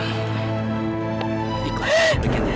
ibu kenapa tinggalin aida